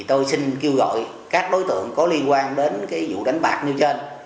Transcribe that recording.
tôi xin kêu gọi các đối tượng có liên quan đến vụ đánh bạc như trên